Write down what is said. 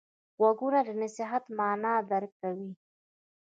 غوږونه د نصیحت معنی درک کوي